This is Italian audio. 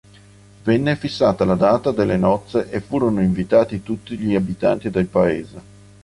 Venne fissata la data delle nozze e furono invitati tutti gli abitanti del paese.